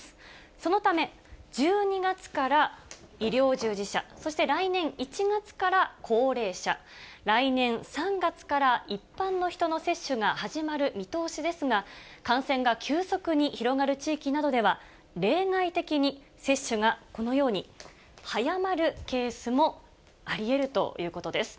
そのため、１２月から医療従事者、そして来年１月から高齢者、来年３月から一般の人の接種が始まる見通しですが、感染が急速に広がる地域などでは、例外的に接種がこのように早まるケースもありえるということです。